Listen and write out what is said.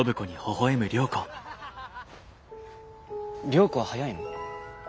良子は速いの？